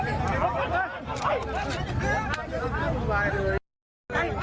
มีเธอก็ไม่มีความราชาเม้อดหวังผม